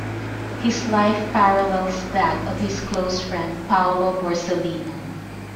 His life parallels that of his close friend Paolo Borsellino.